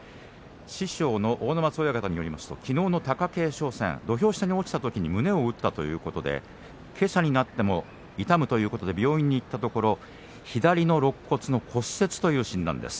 師匠の阿武松親方によりますときのうの貴景勝戦で土俵下に落ちたときに胸を打ったということでけさになっても痛むということで病院に行ったところ左のろっ骨の骨折という診断です。